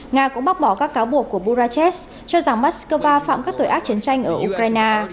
nga cũng bác bỏ các cáo buộc của buraches cho rằng moscow phạm các tội ác chiến tranh ở ukraine